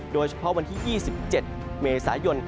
โดยเฉพาะวันที่๒๗เมษายน